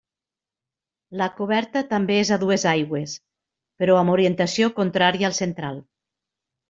La coberta també és a dues aigües però amb orientació contrària al central.